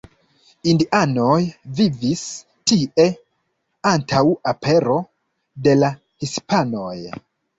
Indianoj vivis tie antaŭ apero de la hispanoj.